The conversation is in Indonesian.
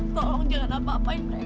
tolong jangan apa apain mereka dik